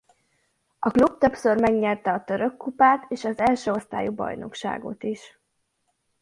A klub többször megnyerte a török kupát és az első osztályú bajnokságot is.